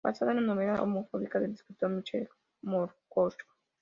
Basada en la novela homónima del escritor Michael Moorcock.